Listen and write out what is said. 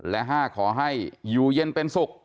และ๕ขอให้อยู่เย็นเป็นสุข